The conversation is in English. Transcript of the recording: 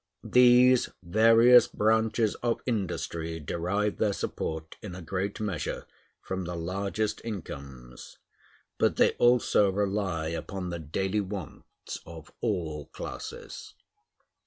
These various branches of industry derive their support in a great measure from the largest incomes, but they also rely upon the daily wants of all classes.